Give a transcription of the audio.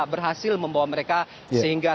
berhasil membawa mereka sehingga